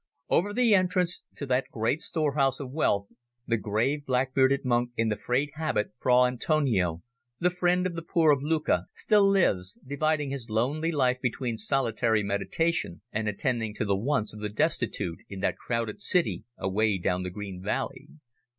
Over the entrance to that great storehouse of wealth the grave, black bearded monk in the frayed habit, Fra Antonio, the friend of the poor of Lucca, still lives, dividing his lonely life between solitary meditation and attending to the wants of the destitute in that crowded city away down the green valley.